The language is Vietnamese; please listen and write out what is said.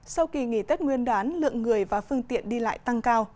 sau kỳ nghỉ tết nguyên đán lượng người và phương tiện đi lại tăng cao